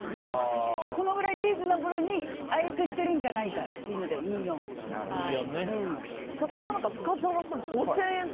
このぐらいリーズナブルにあえてしているんじゃないかそんな中、深澤さん５０００円。